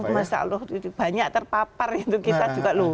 masa allah banyak terpapar untuk kita juga loh